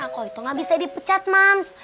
aku itu gak bisa dipecat man